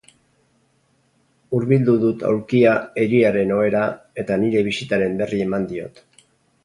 Hurbildu dut aulkia eriaren ohera, eta nire bisitaren berri eman diot.